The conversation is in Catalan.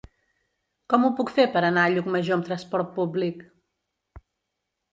Com ho puc fer per anar a Llucmajor amb transport públic?